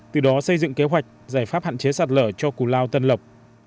từ đó xây dựng kế hoạch giải pháp hạn chế sạt lở cho cù lao tân lộc